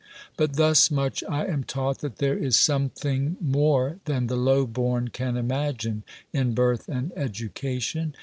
But thus much I am taught, that there is some thing more than the low born can imagine in birth and education.